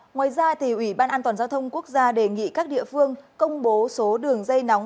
ngoài ra ủy ban an toàn giao thông quốc gia đề nghị các địa phương công bố số đường dây nóng